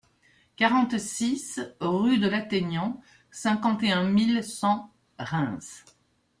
quarante-six rue de l'Atteignant, cinquante et un mille cent Reims